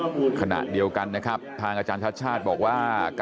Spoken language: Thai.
ไปพบผู้ราชการกรุงเทพมหานครอาจารย์ชาติชาติชาติชาติชาติชาติชาติชาติชาติฝิทธิพันธ์นะครับ